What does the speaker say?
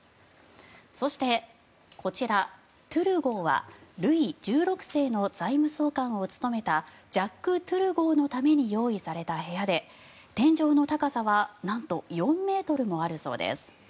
そして、こちらテュルゴーはルイ１６世の財務総監を務めたジャック・テュルゴーのために用意された部屋で天井の高さはなんと４ｍもあるそうです。